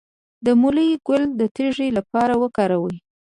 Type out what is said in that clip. د مولی ګل د تیږې لپاره وکاروئ